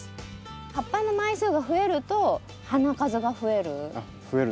葉っぱの枚数が増えると花数が増える。